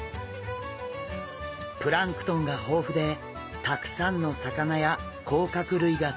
プランクトンが豊富でたくさんの魚や甲殻類が生息しています。